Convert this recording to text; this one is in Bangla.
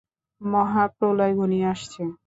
মহাপ্রলয় ঘনিয়ে আসছে!